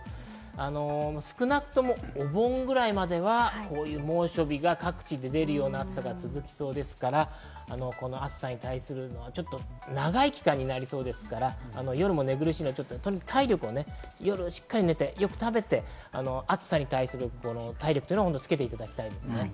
少なくともお盆くらいまではこういった猛暑日が各地で出る暑さが続きそうですから、この暑さに対するのは長い期間になりそうですから、夜も寝苦しいですから、しっかり寝てしっかり食べて、暑さに対する体力をつけていただきたいです。